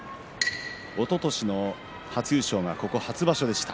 おととしの初優勝がここ初場所でした。